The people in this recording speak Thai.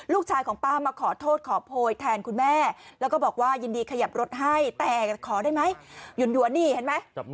ลูกชายของป้ามาขอโทษขอโพยแทนคุณแม่แล้วก็บอกว่ายินดีขยับรถให้แต่ขอได้ไหมหยวนนี่เห็นไหม